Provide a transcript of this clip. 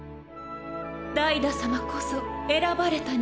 ダイダ様こそ選ばれた人間。